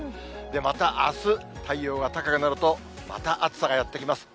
またあす、太陽が高くなると、また暑さがやって来ます。